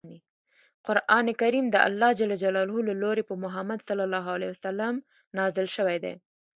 قران کریم دالله ج له لوری په محمد ص نازل شوی دی.